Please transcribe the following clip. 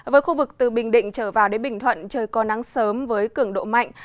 với khu vực từ bình định trở vào đến bình thuận trời có nắng sớm với cường độ mạnh